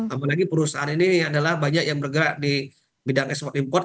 apalagi perusahaan ini adalah banyak yang bergerak di bidang ekspor import